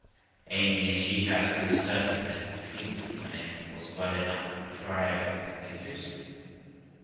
Amy and she had concerted this between them, and it was well enough contrived that they did so.